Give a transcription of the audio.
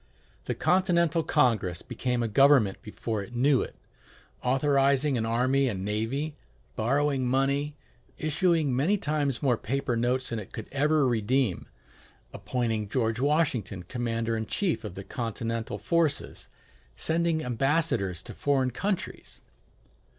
The Continental Congress became a government before it knew it, authorizing an army and navy, borrowing money, issuing many times more paper notes than it could ever redeem, appointing George Washington commander in chief of the Continental forces, sending ambassadors to foreign countries.